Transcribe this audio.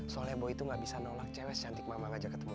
soalnya boy itu gak bisa nolak cewek cantik mama ngajak ketemu